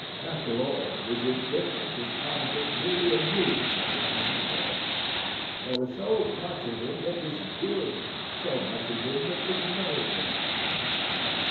After all, his indifference was probably merely a mood that would pass away. There was so much in him that was good, so much in him that was noble.